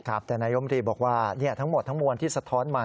แต่นายมรีบอกว่าทั้งหมดทั้งมวลที่สะท้อนมา